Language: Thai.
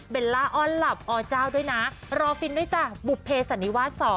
ล่าอ้อนหลับอเจ้าด้วยนะรอฟินด้วยจ้ะบุภเพสันนิวาส๒